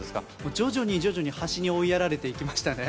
徐々に徐々に端に追いやられていきましたね